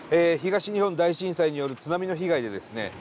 東日本大震災による津波の被害でですね